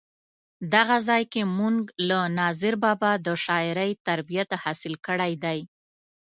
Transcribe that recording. دغه ځای کې مونږ له ناظر بابا د شاعرۍ تربیت حاصل کړی دی.